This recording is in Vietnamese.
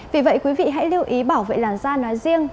vì vậy quý vị hãy lưu ý bảo vệ làn da nói riêng